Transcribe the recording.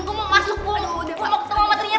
gue mau masuk gue mau ketemu sama ternyata